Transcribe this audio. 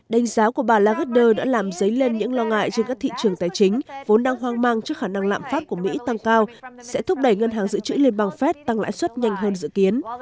đánh giá của bà lagarder đã làm dấy lên những lo ngại trên các thị trường tài chính vốn đang hoang mang trước khả năng lạm phát của mỹ tăng cao sẽ thúc đẩy ngân hàng dự trữ liên bang fed tăng lãi suất nhanh hơn dự kiến